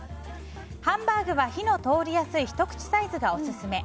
ハンバーグは火の通りやすいひと口サイズがオススメ。